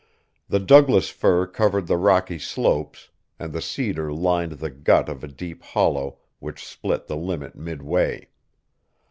The Douglas fir covered the rocky slopes and the cedar lined the gut of a deep hollow which split the limit midway.